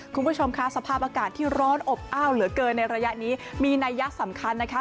คุณผู้ชมค่ะสภาพอากาศที่ร้อนอบอ้าวเหลือเกินในระยะนี้มีนัยยะสำคัญนะคะ